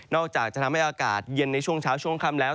อกจากจะทำให้อากาศเย็นในช่วงเช้าช่วงค่ำแล้ว